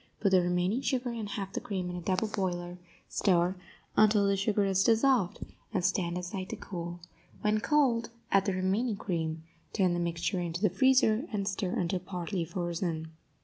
Put the remaining sugar and half the cream in a double boiler; stir until the sugar is dissolved, and stand aside to cool; when cold, add the remaining cream, turn the mixture into the freezer, and stir until partly frozen.